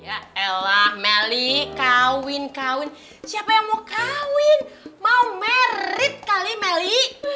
ya ella meli kawin kawin siapa yang mau kawin mau merit kali meli